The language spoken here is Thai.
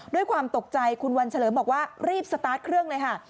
ด้วยความตกใจคุณวันเฉลิมบอกว่ารีบสตาร์ทเครื่องเลยค่ะ